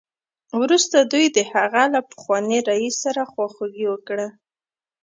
وروسته دوی د هغه له پخواني رییس سره خواخوږي وکړه